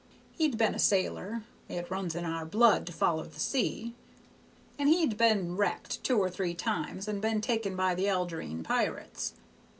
He'd been a sailor, it runs in our blood to foller the sea, and he'd been wrecked two or three times and been taken by the Algerine pirates.